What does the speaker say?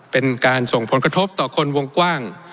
เป็นการส่งผลกระทบต่อคนวงกว้าง